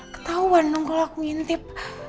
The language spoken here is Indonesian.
ketauan dong kalo aku ngintip